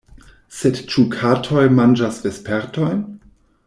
Sed ĉu katoj manĝas vespertojn?